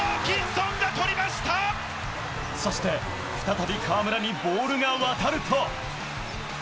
大きい、そして、再び河村にボールが渡ると。